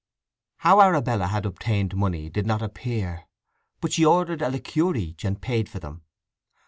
How Arabella had obtained money did not appear, but she ordered a liqueur each, and paid for them.